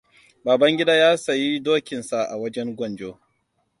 Babangida ya sayi dokin sa a wajen gwanjo.